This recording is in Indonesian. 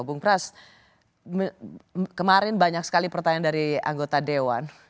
bung pras kemarin banyak sekali pertanyaan dari anggota dewan